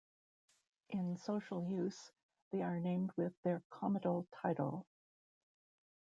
In social use they are named with their comital title.